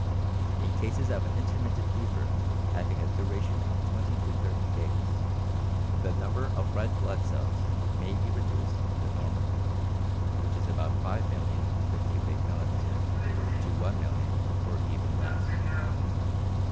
In cases of intermittent fever having a duration of twenty to thirty days the number of red blood cells may be reduced from the normal, which is about 5,000,000 per cubic millimeter, to 1,000,000 or even less.